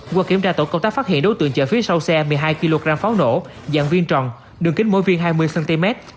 qua kiểm tra tổ công tác phát hiện đối tượng chở phía sau xe một mươi hai kg pháo nổ dạng viên tròn đường kính mỗi viên hai mươi cm